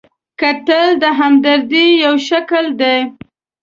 کتل د همدردۍ یو شکل دی